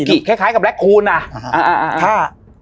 ฆานุกี้คล้ายกับแบคคลา